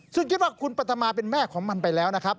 ซึ่งคิดว่าคุณปรัฐมาเป็นแม่ของมันไปแล้วนะครับ